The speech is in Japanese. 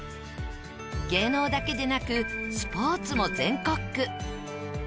芸能だけでなくスポーツも全国区。